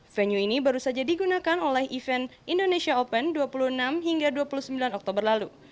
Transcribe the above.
venue ini baru saja digunakan oleh event indonesia open dua puluh enam hingga dua puluh sembilan oktober lalu